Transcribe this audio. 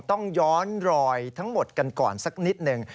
ต้องย้อนรอยทั้งหมดกันก่อนสักนิดหนึ่ง